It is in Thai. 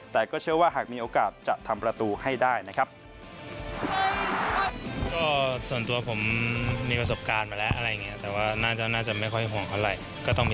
แต่ก็เชื่อว่าหากมีโอกาสจะทำประตูให้ได้นะครับ